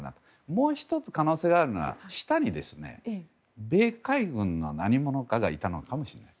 もう１つ可能性があるのは下に米海軍の何者かがいたのかもしれない。